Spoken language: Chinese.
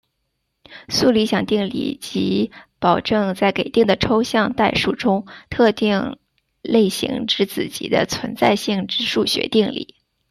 素理想定理即保证在给定的抽象代数中特定类型之子集的存在性之数学定理。